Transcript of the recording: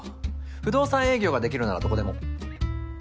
不動産営業ができるならどこでも。